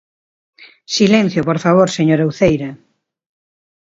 ¡Silencio, por favor, señora Uceira!